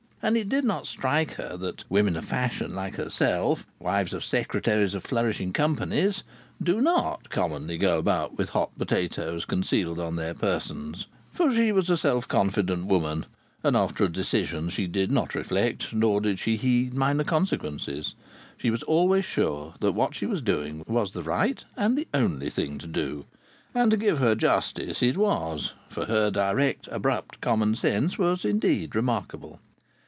And it did not strike her that women of fashion like herself, wives of secretaries of flourishing companies, do not commonly go about with hot potatoes concealed on their persons. For she was a self confident woman, and after a decision she did not reflect, nor did she heed minor consequences. She was always sure that what she was doing was the right and the only thing to do. And, to give her justice, it was; for her direct, abrupt common sense was indeed remarkable.